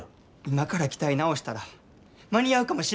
今から機体直したら間に合うかもしれへん。